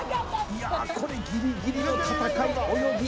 いやあこれギリギリの戦い泳ぎ